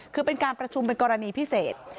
คือเป็นการประชุมเป็นกรณีพิเศษ